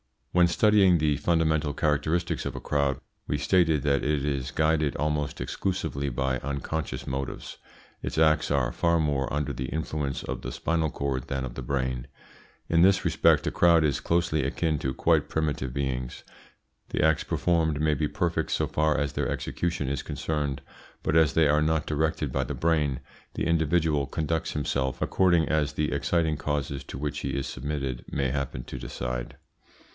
When studying the fundamental characteristics of a crowd we stated that it is guided almost exclusively by unconscious motives. Its acts are far more under the influence of the spinal cord than of the brain. In this respect a crowd is closely akin to quite primitive beings. The acts performed may be perfect so far as their execution is concerned, but as they are not directed by the brain, the individual conducts himself according as the exciting causes to which he is submitted may happen to decide.